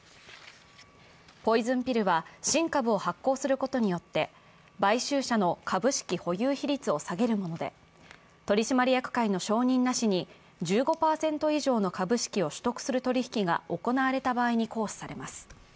ポイズンピルは新株を発行することによって、買収者の株式保有比率を下げるもので取締役会の承認なしに１５％以上の株式を取得する取り引きが行われた場合に行使されます。